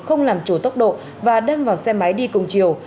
không làm chủ tốc độ và đâm vào xe máy đi cùng chiều